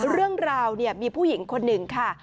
เรื่องราวเนี่ยมีผู้หญิงคนหนึ่งค่ะ